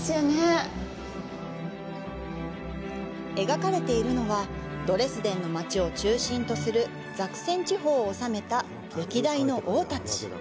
描かれているのは、ドレスデンの街を中心とするザクセン地方を治めた歴代の王たち。